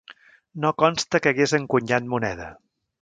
No consta que hagués encunyat moneda.